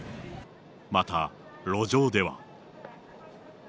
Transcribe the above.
また路上では。